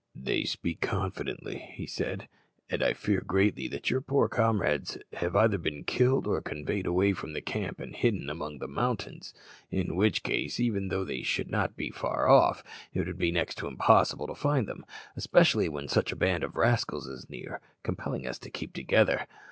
"They speak confidently," he said, "and I fear greatly that your poor comrades have either been killed or conveyed away from the camp and hidden among the mountains, in which case, even though they should not be far off, it would be next to impossible to find them, especially when such a band of rascals is near, compelling us to keep together.